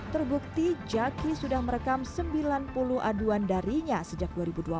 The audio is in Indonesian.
terbukti jaki sudah merekam sembilan puluh aduan darinya sejak dua ribu dua belas